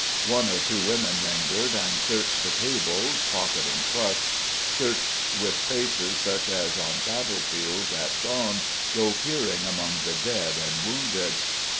One or two women lingered, and searched the tables, pocketing crusts searched with faces such as on battlefields, at dawn, go peering among the dead and wounded.